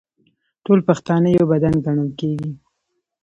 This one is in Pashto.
ټول پښتانه یو بدن ګڼل کیږي.